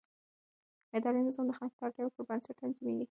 اداري نظام د خلکو د اړتیاوو پر بنسټ تنظیمېږي.